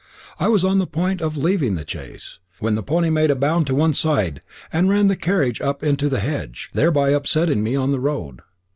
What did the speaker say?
I was on the point of leaving the chaise, when the pony made a bound on one side and ran the carriage up into the hedge, thereby upsetting me on the road.